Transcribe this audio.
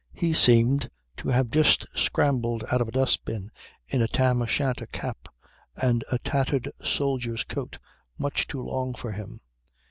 He seemed to have just scrambled out of a dust bin in a tam o'shanter cap and a tattered soldier's coat much too long for him.